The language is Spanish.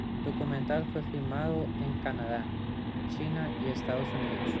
El documental fue filmado en Canadá, China y Estados Unidos.